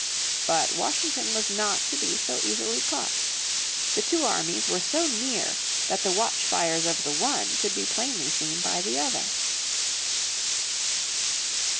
But Washington was not to be so easily caught. The two armies were so near that the watchfires of the one could be plainly seen by the other.